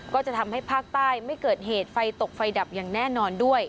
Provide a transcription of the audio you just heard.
ก็จะทำให้ภาคใต้ไม่เกิดเหตุไฟตกไฟดับอย่างแน่นอนด้วย